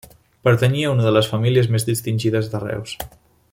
Pertanyia a una de les famílies més distingides de Reus.